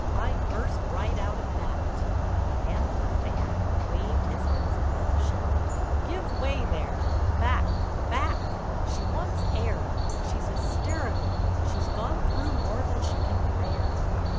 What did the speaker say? I burst right out at that and the man with the fan waved his arms at them, shouting: "Give way there—back—back! She wants air—she's hysterical. She's gone through more than she can bear."